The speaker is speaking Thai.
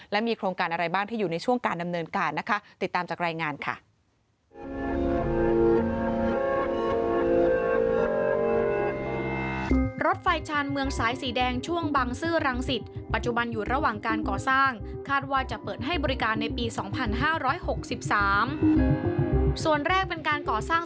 และมีโครงการอะไรบ้างที่อยู่ในช่วงการดำเนินการนะคะ